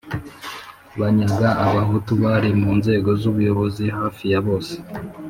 banyaga abahutu bari mu nzego z ubuyobozi hafi ya bose